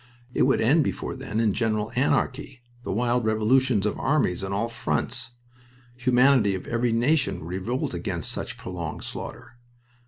It would end before then in general anarchy, the wild revolutions of armies on all fronts. Humanity of every nation would revolt against such prolonged slaughter...